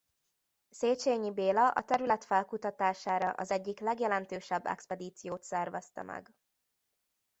Széchenyi Béla a terület felkutatására az egyik legjelentősebb expedíciót szervezte meg.